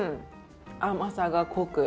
甘さが濃く。